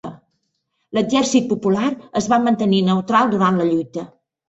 L'exercit Popular, es va mantenir neutral durant la lluita